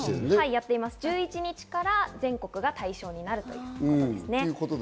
１１日から対象になるということですね。